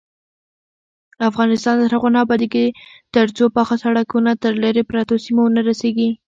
افغانستان تر هغو نه ابادیږي، ترڅو پاخه سړکونه تر لیرې پرتو سیمو ونه رسیږي.